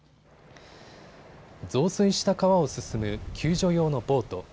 増水した川を進む救助用のボート。